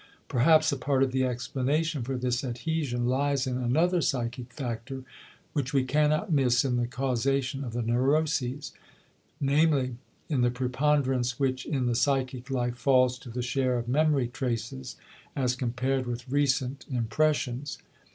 Perhaps a part of the explanation for this adhesion lies in another psychic factor which we cannot miss in the causation of the neuroses, namely, in the preponderance which in the psychic life falls to the share of memory traces as compared with recent impressions.